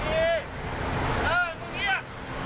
เออมึงเรียก